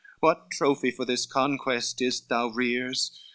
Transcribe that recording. What trophy for this conquest is't thou rears?